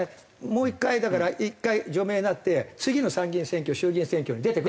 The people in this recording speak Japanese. もう１回だから１回除名になって次の参議院選挙衆議院選挙に出てくるって事ですか？